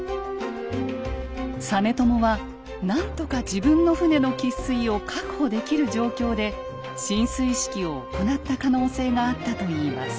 実朝は何とか自分の船の喫水を確保できる状況で進水式を行った可能性があったといいます。